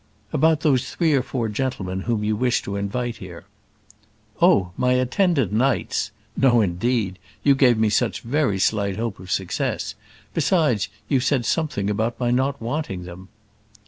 "About those three or four gentlemen whom you wish to invite here?" "Oh! my attendant knights! no, indeed; you gave me such very slight hope of success; besides, you said something about my not wanting them."